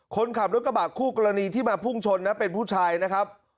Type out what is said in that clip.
คนขับรถกระบะคู่กรณีที่มาพุ่งชนนะเป็นผู้ชายนะครับ